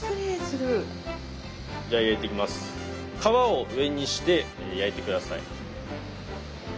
皮を上にして焼いて下さい。